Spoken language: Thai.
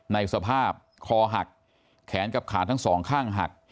ในสภาพคอหักแขนกับขาทั้งสองข้างหัก